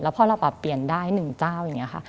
พอเราปรับเปลี่ยนได้๑เจ้าอย่างนี้ค่ะ